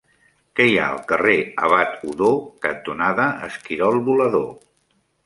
Què hi ha al carrer Abat Odó cantonada Esquirol Volador?